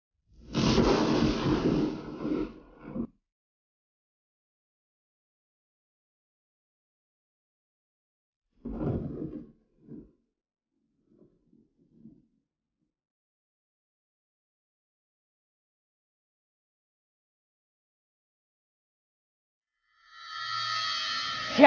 guru mah merasa namunwindu kulitnya